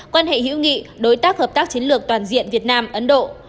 quan hệ hữu nghị đối tác hợp tác chiến lược toàn diện việt nam ấn độ